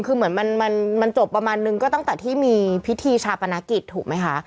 คือเหมือนมันจบประมาณนึงก็ตั้งแต่ที่มีพิธีชาปนกิจถูกไหมคะ